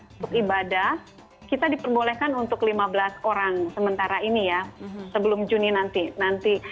untuk ibadah kita diperbolehkan untuk lima belas orang sementara ini ya sebelum juni nanti nanti